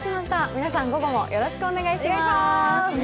皆さん、午後もよろしくお願いしまーす。